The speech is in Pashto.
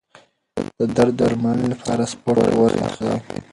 د درد درملنې لپاره سپورت غوره انتخاب دی.